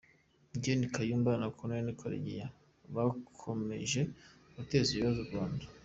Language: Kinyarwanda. Gen. Kayumba na Col. Karegeya bakomeje guteza ibibazo u Rwanda.